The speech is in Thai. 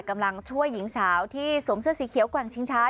กำลังช่วยหญิงสาวที่สวมเสื้อสีเขียวแกว่งชิงช้า